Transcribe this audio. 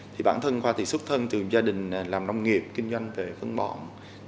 thì bản thân khoa thì xuất thân từ gia đình làm nông nghiệp kinh doanh về phân bọn